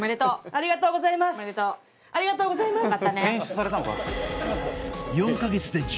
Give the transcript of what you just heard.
ありがとうございます。